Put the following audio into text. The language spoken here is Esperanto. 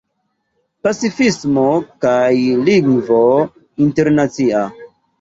Pacifismo kaj Lingvo Internacia.